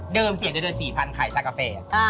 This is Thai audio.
เดิมเสียงเดี๋ยว๔๐๐๐บาทขายชาติกาแฟ